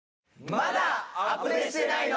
『まだアプデしてないの？